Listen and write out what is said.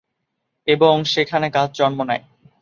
এবং সেখানে গাছ জন্ম নেয়।